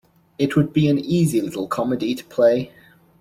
It would be an easy little comedy to play.